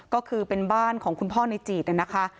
ก็คือเป็นบ้านของคุณพ่อในจีดนะคะ